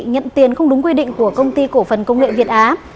nhận tiền không đúng quy định của công ty cổ phần công nghệ việt á